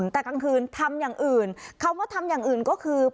แต่กลางคืนทำอย่างอื่นคำว่าทำอย่างอื่นก็คือ